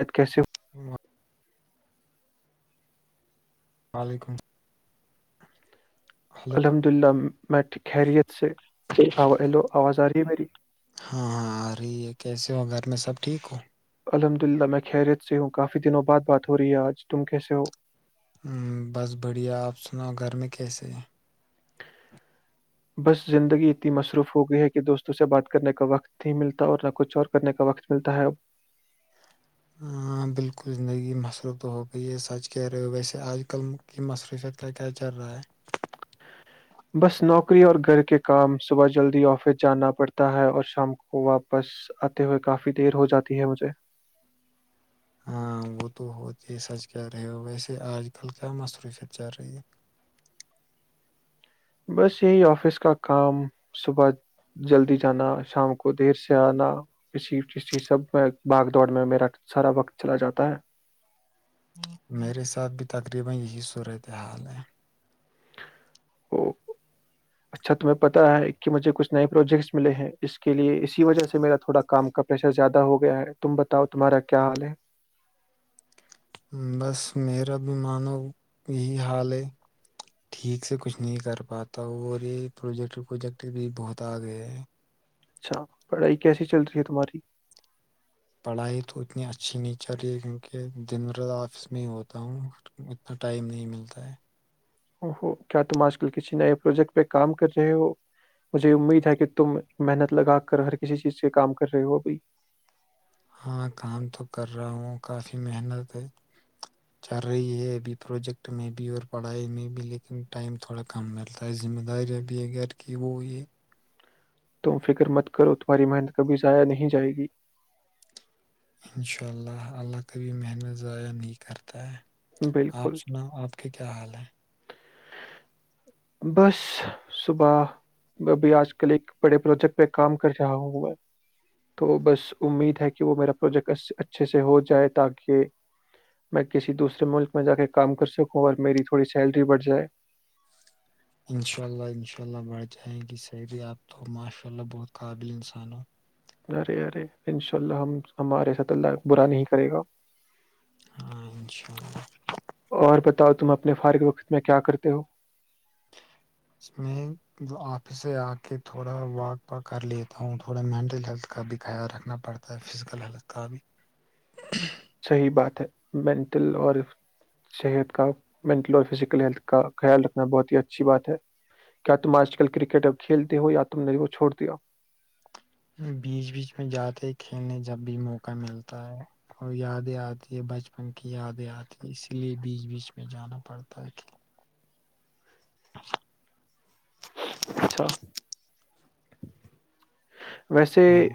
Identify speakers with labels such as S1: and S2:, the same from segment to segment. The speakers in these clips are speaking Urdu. S1: عید کیسے ہو؟ [unintelligible]
S2: الل و علیکم [unintelligible]
S1: الحمد للہ میں خریت سے لو آوازار جی مری [unintelligible]
S2: ہاں ہاں آ رہی ہے کیسے ہو گھر میں سب ٹھیک ہو
S1: الحمد للہ میں خیریت سے ہوں کافی دنوں بعد بات ہو رہی ہے آج تم کیسے ہو
S2: ہ بس بڑھیا آپ سنا گھر میں کیسے ہیں
S1: بس زندگی اتنی مصروف ہو گئی ہے کہ دوستوں سے بات کرنے کا وقت نہیں ملتا اور نہ کچھ اور کرنے کا وقت ملتا ہے اب
S2: ہاں بالکل زندگی مصرف تو ہو گئی ہے سچ کہہ رہے ہو ویسے آج کل کی مصروفت کیا کیا چل رہا ہے
S1: بس نوکری اور گھر کے کام صبح جلدی آفس جانا پڑتا ہے اور شام کو واپس آتے ہوئے کافی دیر ہو جاتی ہے مجھے
S2: ہاں وہ تو ہوتی ہے سچ کہہ رہے ہو ویسے آج کل کیا مصروففت جا رہی ہے
S1: بس یہی آفس کا کام صبح جلدی جانا شام کو دیر سے آنا کسی سب باغ دوڑ میں میرا سارا وقت چلا جاتا ہے
S2: میرے ساھ بھی تقریبا یہی صورت حال ہے
S1: ا اچھا تمہیں پتا ہے کہ مجھے کچھ نئے پروجیکٹس ملے ہیں اس کے لیے اسی وجہ سے میرا تھوڑا کام کا پریشر زیادہ ہو گیا ہے تم بتاؤ تمہارا کیا حال ہے
S2: بس میرا بھی مانو یہی حال ہے ٹھیک سے کچھ نہیں کر پاتا اور یہ پروجیکٹ پروجیکٹ بھی بہت آ گئے ہے
S1: اچھا پڑھائی کیسی چل رہی ہے تمہاری
S2: پڑھائی تو اتنی اچھی نہیں چل رہی ہے کیونکہ دن رات آفس میں ہی ہوتا ہوں اتنا ٹائم نہیں ملتا ہے
S1: او کیا تم آج کل کسی نئے پروجیکٹ پہ کام کر رہے ہو مجھے امید ہے کہ تم محنت لگا کر ہر کسی چیز سے کام کر رہے ہو ا بھائی
S2: ہاں کام تو کر رہا ہوں کافی محنت ہے چل رہی ہے ابھی پروجیکٹ میں بھی اور پڑھائی میں بھی لیکن ٹائم تھوڑا کم ملتا ہے ذمہ داریاں بھی ہے گھر کی وہ یہ
S1: تم فکر مت کرو تمہاری محنت کبھی ضائع نہیں جائے گی
S2: انشاء اللہ اللہ کبھی محنت ضائع نہیں کرتے آپ
S1: بالکل
S2: سنا آپ کے کیا حال ہے
S1: بس صبح میں ابھی آج کل ایک بڑے پروجیکٹ پہ کام کر رہا ہوںا تو بس امید ہے کہ وہ میرا پروجیکٹ اچھے سے ہو جائے تاکہ میں کسی دوسرے ملک میں جا کے کام کر سکوں اور میری تھوڑی سیلری بڑھ جائے
S2: انشاء اللہ انشاء اللہ بڑھ جائ گی سیری آپ تو ماشاء اللہ بہت قابل انسان ہو
S1: ارے ارے ان شاء اللہ ہم ہمارے س اللہ برا نہیں کرے گا
S2: ہاں انشاء اللہ
S1: اور بتاؤ تم اپنے فارغ وقت میں کیا کرتے ہو
S2: اس میں آپس سے آ کے تھوڑا واک و کر لیتا ہوں تھوڑا مینٹل ہیلتھ کا بھی خیال رکھنا پڑتا ہے فزیکل ہیلتھ کا بھی
S1: صحیح بات ہے مینٹل اور صحت کا مینٹل اور فزیکل ہیلتھ کا خیال رکھنا بہت ہی اچھی بات ہے کیا تم آج کل کرکٹ اب کھیلتے ہو یا تم نے وہ چھوڑ دیا
S2: بیچ بیچ میں جاتے ہیں کھیلنے جب بھی موقع ملتا ہے اور یادیں آتی ہے بچپن کی یادیں آتی ہے اسی لیے بیچ بیچ میں جانا پڑتا ہے [inaudible]
S1: اچھا ویسے
S2: ہاں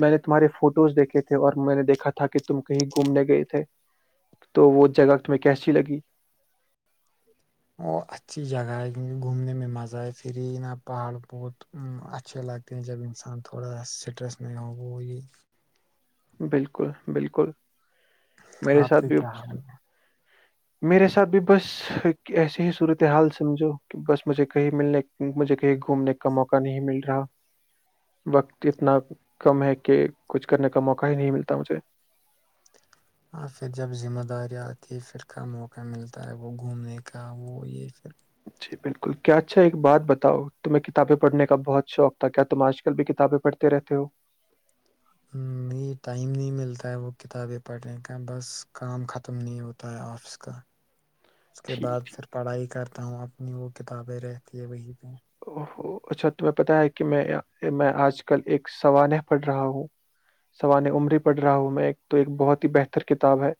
S1: میں نے تمہارے فوٹوز دیکھے تھے اور میں نے دیکھا تھا کہ تم کہیں گھومنے گئے تھے تو وہ جگہ تمہیں کیسی لگی
S2: اور اچھی جگہ ہے گھومنے میں مزہ آئے پری نا پہاڑ پہوڑ اچھے لگتے ہیں جب انسان تھوڑا اسٹریس نہیں ہوگی
S1: بالکل بالکل میرے
S2: آپ
S1: ساتھ
S2: کے
S1: بھی
S2: کیا حال
S1: میرے ساتھ بھی بس ایسیے ہی صورت حال سمجھو کہ بس مجھے کہیں ملنے مجھے کہیں گھومنے کا موقع نہیں مل رہا وقت اتنا کم ہے کہ کچھ کرنے کا موقع ہی نہیں ملتا مجھے
S2: اور پھر جب ذمہ داری آتی ہے پھر کا موقع ملتا ہے وہ گھومنے کا وہ یہ پھر
S1: جی بالکل کیا اچھا ایک بات بتاؤ تمہیں کتابیں پڑھنے کا بہت شوق تھا کیا تم آج کل بھی کتابیں پڑھتے رہتے ہو
S2: م ٹائم نہیں ملتا ہے وہ کتابیں پڑھنے کا بس کام ختم نہیں ہوتا ہے آفس کا اس کے بعد
S1: ٹھیک ٹھیک
S2: پھر پڑھائی کرتا ہوں اب اپنی وہ کتابیں رہتی ہے وہیں پہ
S1: ا اچھا تمہیں پتتا ہے کہ میں میں آج کل ایک سوانح پڑھ رہا ہوں سوانح عمری پڑھ رہا ہوں میں تو ایک بہت ہی بہتر کتاب ہے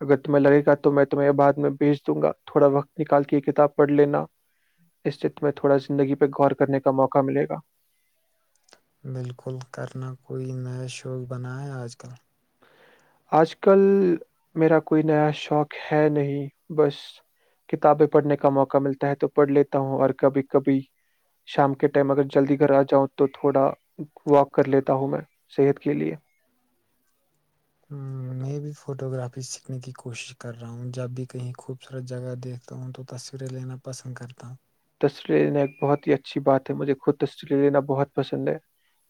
S1: اگر تمہیں لگے گا تو میں تمہیں یہ بعد میں بھیج دوں گا تھوڑا وقت نکال کے یہ کتاب پڑھ لینا اس سے تمہیں تھوڑا س زندگی پہ غور کرنے کا موقع ملے گا
S2: بالکل کرنا کوئی نیا شوق بنا ہے آج کل
S1: آج کل میرا کوئی نیا شوق ہے نہیں بس کتابیں پڑھنے کا موقع ملتا ہے تو پڑھ لیتا ہوں اور کبھی کبھی شام کے ٹائم اگر جلدی گھر آ جاؤں تو تھوڑا واک کر لیتا ہوں میں صحت کے لیئے
S2: ہ میں بھی فوٹو گرافی سیکھنے کی کوشش کر رہا ہوں جب بھی کہیں خوبصورت جگہ دیکھتا ہوں تو تصویریں لینا پسند کرتا ہوں
S1: اسری لینا بہت ہی اچھی بات ہے مجھے خود تٹریل لینا بہت پسند ہے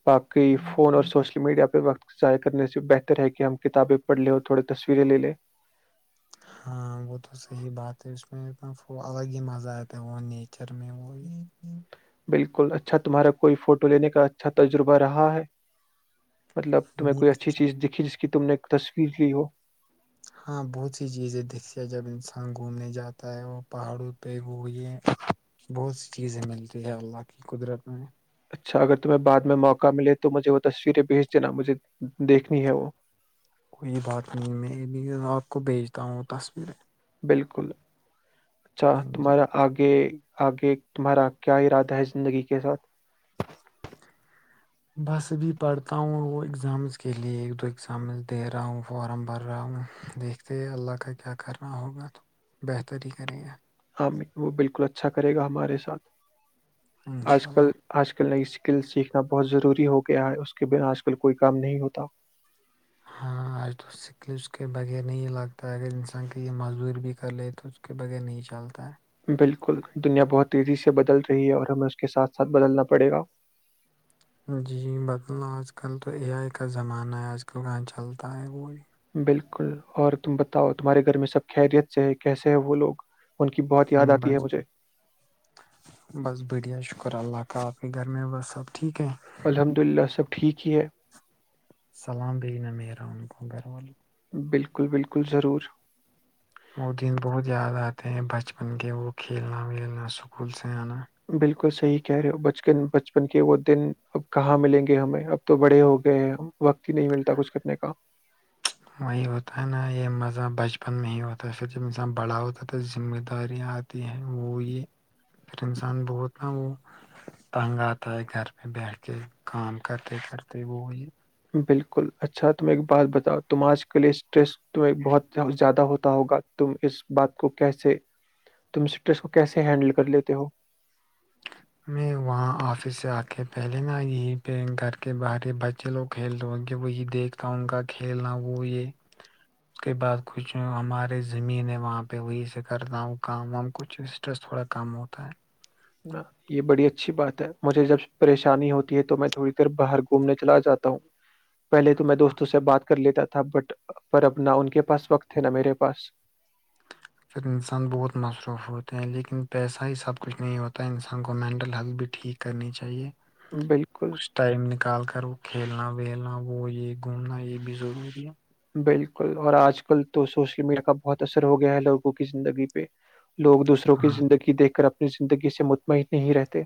S1: باقی فون اور سوشل میڈیا پہ ب ضائع کرنے سے بہتر ہے کہ ہم کتابیں پڑھ لیں اور تھوڑی تصویریں لے لیں
S2: ہاں وہ تو صحیح بات ہے اس میں ایکنا الگ ہی مزہ آتا ہے وہ نیچر میں وہ
S1: بالکل اچھا تمہارا کوئی فوٹو لینے کا اچھا تجربہ رہا ہے مطلب تمہیں کوئی
S2: نہیں
S1: اچھی چیز دھی جس کی کی تم نے ایک تصویر کی ہو
S2: ہاں بہت سی چیزیں دستے جب انسان گھومنے جاتا ہے اور پہاڑوں پہ وہ یہ بہت سی چیزیں ملتی ہے اللہ کی قدرت میں
S1: اچھا اگر تمہیں بعد میں موقع ملے تو مجھے وہ تصویریں بھیج دینا مجھے دیکھنی ہے وہ
S2: کوئی بات نہیں میں آپ کو بھیجتا ہوں تصویریں
S1: بالکل اچھا
S2: جی
S1: تمہارا آگے آگے تمہارا کیا ارادہ ہے زندگی کے ساتھ
S2: بس بھی پڑھتا ہوں وہ ایگزامس کے لئے ایک دو ایگزامز دے رہا ہوں فارم بھر رہا ہوں دیکھتے اللہ کا کیا کرنا ہوگا تو بہتر ہی کرے گا
S1: وہ بالکل اچھا کرے گا ہمارے ساتھ آج
S2: انشاء
S1: کل
S2: اللہ
S1: آج کل نہیں اسکل سیکھنا بہت ضروری ہو گیا ہے اس کے بنا آج کل کوئی کام نہیں ہوتا
S2: ہاں آج تو سکل اس کے بغیر نہیں لگتا اگر انسان کے یہ مزدوری بھی کر لے تو اس کے بغیر نہیں چلتا ہے
S1: بالکل دنیا بہت تیزی سے بدل رہی ہے اور ہمیں اس کے ساتھ ساتھ بدلنا پڑے گا
S2: جی بتل آج کل تو اے آئی کا زمانہ ہے آج کل کہاں چلتا ہے وہی
S1: بالکل اور تم بتاؤ تمہارے گھر میں سب خیریت سے ہے کیسے ہے وہ لوگ ان کی بہت
S2: ہ
S1: یاد آتی
S2: بس
S1: ہے مجھے
S2: بس بڑیایا ش شکر اللہ کا آپ کے گھر میں بس سب ٹھیک ہے
S1: الحمد للہ سب ٹھیک ہی ہیں
S2: السلام بنہ
S1: بالکل بالکل ضرور
S2: وہ دن بہت یاد آتے ہیں بچپن کے وہ کھیلنا ویلنا سکول سے آنا
S1: کو صحیح کہہ رہے ہو بچن بچپن کے وہ دن اب کہاں ملیں گے ہمیں اب تو بڑے ہو گئے ہیں وقت ہی نہیں ملتا کچھ کرنے کا
S2: وہی ہوتا ہے نا یہ مزہ بچپن میں ہی ہوتا ہے پھر جب انسان بڑا ہوتاتا ذمہ داریاں آتی ہے وہ یہ پھر انسان ب ہوتا ن وہ تنگ آتا ہے گھر پہ بیٹھ کے کام کرتے کرتے وہ یہ
S1: بالکل اچھا تمہیں ایک بات بتاؤ تم آج کے لیے اسٹریس تمہ بہت زیادہ ہوتا ہوگا تم اس بات کو کیسے تم اسٹریس کو کیسے ہینڈل کر لیتے ہو
S2: میں وہاں آفس سے آ کے پہلے نا یہیں پہ گھر کے باہر بچے لوگ کھیلتےوں کہ وہی دیکھتا ہوں کا کھیلنا وہ یہ اس کے بعد کچھ ہمارے زمین ہے وہاں پہ وہی سے کرتا ہوں کام کچھ اسٹریس تھوڑا کم ہوتا ہے
S1: نہ یہ بڑی اچھی بات ہے مجھے جب پریشانی ہوتی ہے تو میں تھوڑی دیر باہر گھومنے چلا جاتا ہوں پہے تو میں دوستوں سے بات کر لیتا تھا بٹ پر ابنا ان کے پاس وقت ہے نا میرے پاس
S2: پھر انسان بہت مصروف ہوتے ہیں لیکن پیسہ ہی سب کچھ نہیں ہوتا ہے انسان کو مینٹل ہیلتھ بھی ٹھیک کرنی چاہیے
S1: بالکل
S2: کچھ ٹائم نکال کر وہ کھیلنا ولنا وہ یہ گھومنا یہ بھی ضروری ہے
S1: بالکل اور آج کل تو سوشل میڈیا کا بہت اثر ہو گیا ہے لوگوں کی زندگی پہ لوگ دوسروں کی
S2: ہاں
S1: زندگی دیکھ کر اپنے اپنی زندگی سے مطمئن نہیں رہتے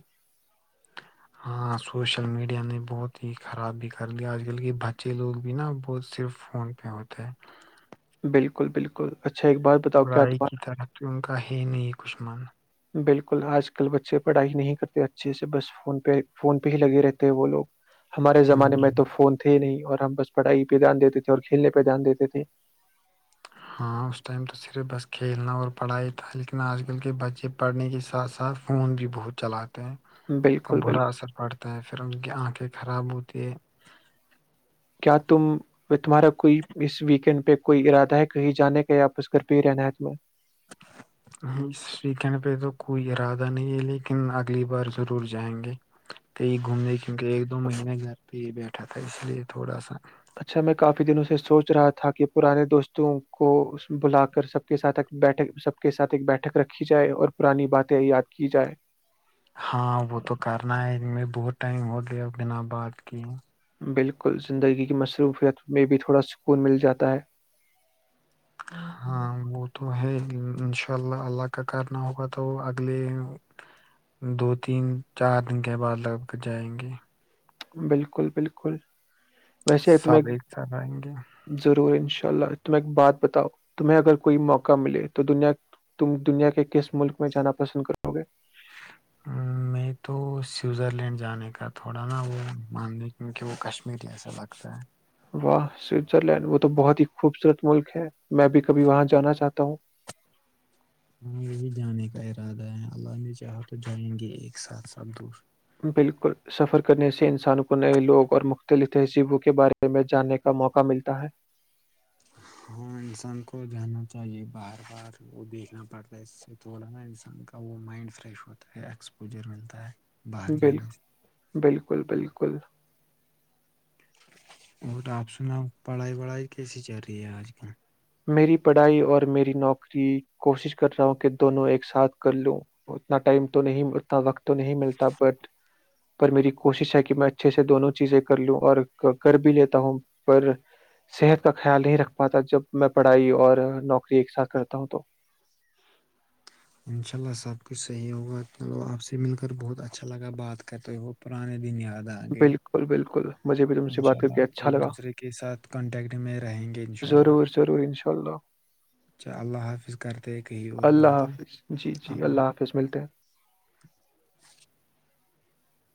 S2: ہاں سوشل میڈیا نے بہت ہی خرابی کرل آج کل کے بچے لوگ بھی نا ب صرف فون پہ ہوتے ہیں
S1: بالکل بالکل اچھا ایک بات بتاؤ کیا
S2: پڑائی کی
S1: تمہار
S2: طرف تو ان کا ہی نہیں کچھ من
S1: بالکل آج کل بچے پڑھائی نہیں کرتے اچھے سے بس فون پہ فون پہ ہی لگے رہتے ہیں وہ لوگ ہمارے
S2: ہوں۔
S1: زمانے میں تو فون تھے ہی نہیں اور ہم بس پڑھائی پہ دھیان دیتے تھے اور کھیلنے پہ دھیان دیتے تھے
S2: ہاں اس ٹائم تو صرف بس کھیلنا اور پڑھا ہی تھا لیکن آج کل کے بچے پڑھنے کے ساتھ ساتھ فون بھی بہت چلاتے تو
S1: بالکل بالکل
S2: برا اثر پڑتا ہے پھر ان کی آنکھ کے خراب ہوتے ہے
S1: کیا تم تمہارا کوئی اس ویکینڈ پہ کوئی ارادہ ہے کہیں جانے کا یاپس گھر پہ ہی رہنایت میں
S2: اس ویکینڈ پہ تو کوئی ارادہ نہیں ہے لیکن اگلی بار ضرور جائیں گے کہ یہ گھومنے کیونکہ ایک دو مہینے گھر پہ ہی بیٹھا تھا اس لیے تھوڑا سا
S1: اچھا میں کافی دنوں سے سوچ رہا تھا کہ پرانے دوستوں کو بلا کر سب کے ساتھ بیٹھ سب کے ساتھ ایک بیٹھک رکھی جائے اور پرانی باتیں یاد کی جائے
S2: ہاں وہ تو کرنا ہے ان میں بہت ٹائم ہو گیا بنا بعد کی
S1: بالکل زندگی کی مصروفیت میں بھی تھوڑا سکون مل جاتا ہے
S2: ہاں وہ تو ہے انشاء اللہ اللہ کا کرنا ہوگا تو اگلے دو تین چار دن کے بعد لگ بگ جائیں گے
S1: بالکل بالکل ویسے تمہیں
S2: سب ایک ساتھ آئیں گے
S1: ضرور ان شاء انء اللہ تم ایک بات بتاؤ تمہیں اگر کوئی موقع ملے تو دنیا تم دنیا کے کس ملک میں جانا پسند کرو گے
S2: میں تو سوئزر لینڈ جانے کا تھوڑا نا وہ ماننے کیونکہ وہ کشمیر ایسا لگتا ہے
S1: واہ سوئٹزر لینڈ وہ تو بہت ہی خوبصورت ملک ہے میں بھی کبھی وہاں جانا چاہتا ہوں
S2: ہاں یہی جانے کا ارادہ ہے اللہ نے چاہا تو جائیں گے ایک ساتھ ساتھ دور
S1: بالکل سفر کرنے سے انسانوں کو نئے لوگ اور مختلف تہذیبوں کے بارے میں جاننے کا موقع ملتا ہے
S2: ہاں انسان کو جاننا چاہیے بار بار وہ دیکھنا پڑتا ہے اس سے تھوڑا نا انسان کا وہ مائنڈ فریش ہوتا ہے ایکسپوجر ملتا ہے باہر
S1: بال
S2: جانے
S1: بالکل بالکل
S2: اور آپ سنا پڑھائی وڑھائی کیسی چل رہی ہے آج کل
S1: میری پڑھائی اور میری نوکری کوشش کر رہا ہوں کہ دونوں ایک ساتھ کر لوں اتنا ٹائم تو نہیں اتنا وقت تو نہیں ملتا بٹ پر میری کوشش ہے کہ میں اچھے سے دونوں چیزیں کر لوں اور کر بھی لیتا ہوں پر صحت کا خیال نہیں رکھ پاتا جب میں پڑھائی اور نوکری ایک ساتھ کرتا ہوں تو
S2: انشاء اللہ سب کچھ صحیح ہوگا چلو آپ سے مل کر بہت اچھا لگا بات کرتے وہ پرانے دن یاد د آ گئے
S1: بالکل بالکل مجھے بھی تم سے
S2: انشاء
S1: بات کر
S2: اللہ
S1: کے اچھا
S2: ایک
S1: لگا
S2: دوسرے کے ساتھ کانٹیکٹ میں رہیں گے انشاء اللہ
S1: ضرور ضرور انشاءاللہ
S2: اچھا اللہ حافظ کرتے کہی اور
S1: اللہ
S2: بات
S1: حافظ جی جی اللہ حافظ مل تو [inaudible]
S2: [inaudible]